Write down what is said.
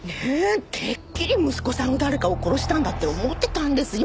てっきり息子さんが誰かを殺したんだって思ってたんですよ。